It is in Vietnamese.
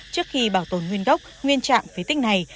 trước khi bảo tồn nguyên gốc nguyên trạng phế tích này